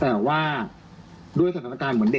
พี่สาวอายุ๗ขวบก็ดูแลน้องดีเหลือเกิน